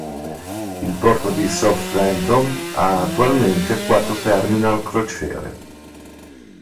Il porto di Southampton ha attualmente quattro terminal crociere.